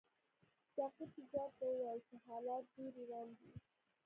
ساقي په ځواب کې وویل چې حالات ډېر وران دي.